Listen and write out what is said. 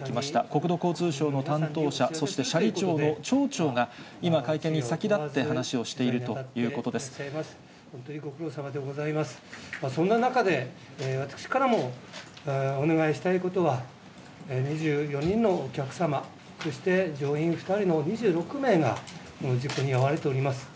国土交通省の担当者、そして斜里町の町長が、今、会見に先立ってそんな中で、私からもお願いしたいことは、２４人のお客様、そして乗員２人の２６名が、この事故に遭われております。